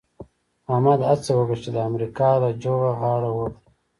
احمد هڅه وکړه چې د امریکا له جغه غاړه وغړوي.